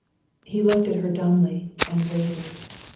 He looked at her dumbly, and waited.